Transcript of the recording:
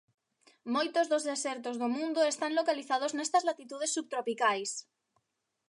Moitos dos desertos do mundo están localizados nestas latitudes subtropicais.